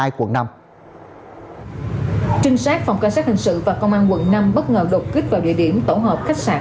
trinh sát phòng cảnh sát hình sự và công an quận năm bất ngờ đột kích vào địa điểm tổ hợp khách sạn